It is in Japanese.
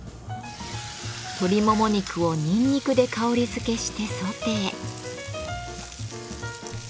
鶏もも肉をニンニクで香り付けしてソテー。